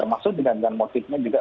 termasuk dengan motifnya juga